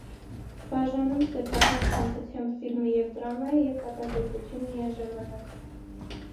«Բաժանում սեփական ցանկությամբ» ֆիլմը և դրամա է և կատակերգություն միաժամանակ։